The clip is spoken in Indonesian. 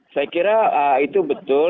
saya kira itu betul